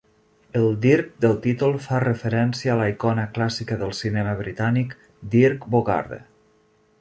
El "Dirk" del títol fa referència a la icona clàssica del cinema britànic, Dirk Bogarde.